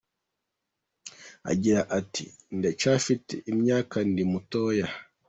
Agira ati “Ndacyafite imyaka ndi mutoya.